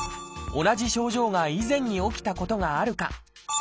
同じ症状が以前に起きたことがあるか。